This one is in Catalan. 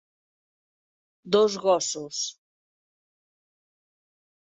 Dos gossos.